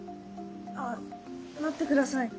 あ待ってください。